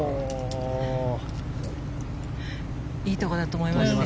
いいところだと思いますよ。